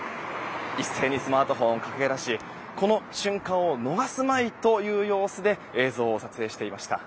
一斉にスマートフォンを掲げ出しこの瞬間を逃すまいという様子で映像を撮影していました。